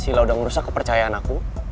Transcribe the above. sila udah merusak kepercayaan aku